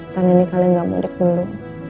tangannya kalian gak mau jatuh dulu